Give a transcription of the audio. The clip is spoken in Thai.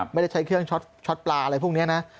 ไม่ได้ใช้เครื่องช็อตปลาอะไรพวกนี้นะ